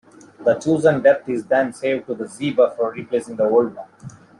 The chosen depth is then saved to the z-buffer, replacing the old one.